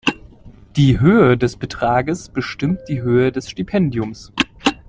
Die Höhe des Betrages bestimmte die Höhe des Stipendiums.